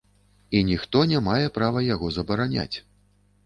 І ніхто не мае права яго забараняць.